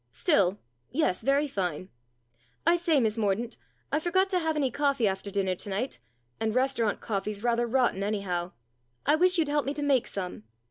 Still yes, very fine. I say, Miss Mordaunt, I forgot to have any coffee after dinner to night, and restaurant coffee's rather rotten, any how. I wish you'd help me to make some."